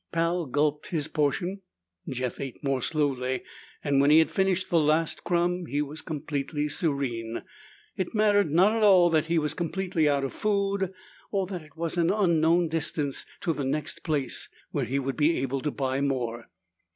Pal gulped his portion. Jeff ate more slowly, and when he had finished the last crumb he was completely serene. It mattered not at all that he was completely out of food or that it was an unknown distance to the next place where he would be able to buy more.